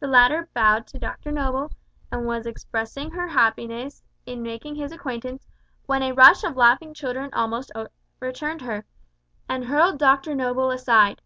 The latter bowed to Dr Noble, and was expressing her happiness in making his acquaintance, when a rush of laughing children almost overturned her, and hurled Dr Noble aside.